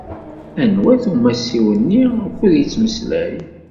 Anwa-t umasiw-nni ukud yettmeslay?